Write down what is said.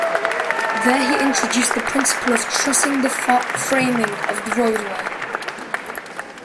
There he introduced the principle of trussing the framing of the roadway.